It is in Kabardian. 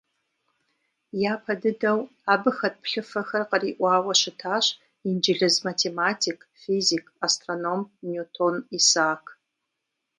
Япэ дыдэу абы хэт плъыфэхэр къриӏуауэ щытащ инджылыз математик, физик, астроном Ньютон Исаак.